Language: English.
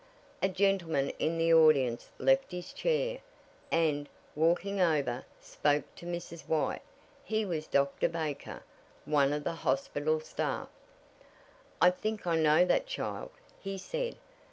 A gentleman in the audience left his chair, and, walking over, spoke to Mrs. White. He was Dr. Baker, one of the hospital staff. "I think I know that child," he said.